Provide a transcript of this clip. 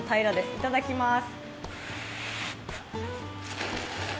いただきます。